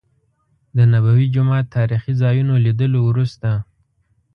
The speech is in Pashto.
د نبوي جومات تاريخي ځا يونو لیدلو وروسته.